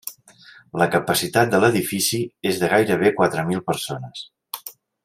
La capacitat de l'edifici és de gairebé quatre mil persones.